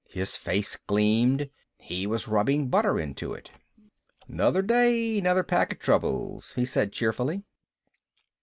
His face gleamed. He was rubbing butter into it. "Another day, another pack of troubles," he said cheerfully.